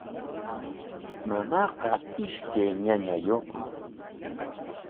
Mamaaqa ishkay ñañayuqmi.